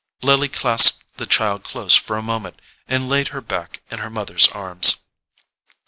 Lily clasped the child close for a moment and laid her back in her mother's arms.